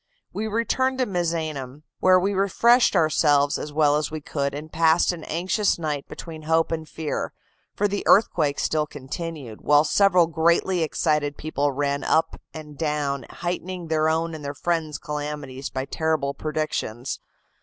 We returned to Misenum, where we refreshed ourselves as well as we could, and passed an anxious night between hope and fear, for the earthquake still continued, while several greatly excited people ran up and down, heightening their own and their friends' calamities by terrible predictions.